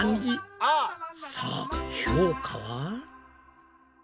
さあ評価は？